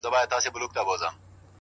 هله به مړ سمه چي ستا له سينکي خاله وځم!!